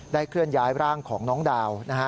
เคลื่อนย้ายร่างของน้องดาวนะฮะ